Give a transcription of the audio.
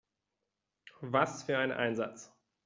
Was für ein Einsatz!